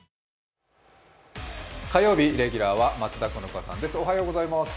火曜日レギュラーは松田好花さんです。